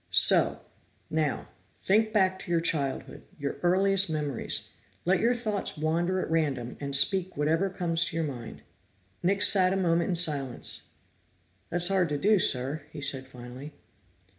"So! Now, think back to your childhood, your earliest memories. Let your thoughts wander at random, and speak whatever comes to your mind." Nick sat a moment in silence. "That's hard to do, sir," he said finally.